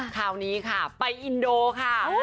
คราวนี้ค่ะไปอินโดค่ะ